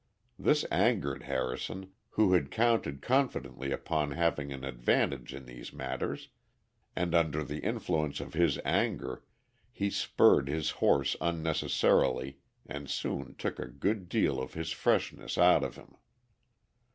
This angered Harrison, who had counted confidently upon having an advantage in these matters, and under the influence of his anger he spurred his horse unnecessarily and soon took a good deal of his freshness out of him.